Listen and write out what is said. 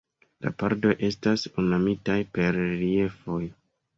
La pordoj estas ornamitaj per reliefoj.